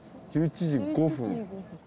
１１時５分。